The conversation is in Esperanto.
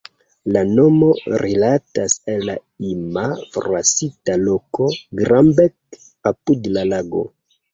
La nomo rilatas al la iama forlasita loko "Glambek" apud la lago.